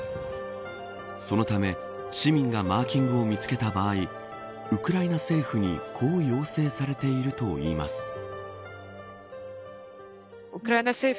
そのため市民がマーキングを見つけた場合ウクライナ政府にこう要請されているといいます。